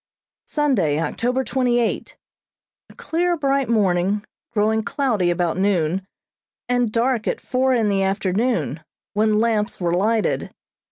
Sunday, October twenty eight: A clear, bright morning, growing cloudy about noon, and dark at four in the afternoon, when lamps were lighted.